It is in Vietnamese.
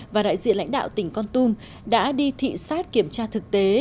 và đại diện lãnh đạo tỉnh con tum đã đi thị xát kiểm tra thực tế